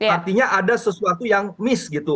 artinya ada sesuatu yang miss gitu